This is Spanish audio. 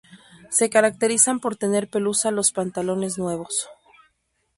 Se caracterizan por tener pelusa los plantones nuevos.